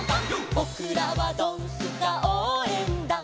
「ぼくらはドンスカおうえんだん」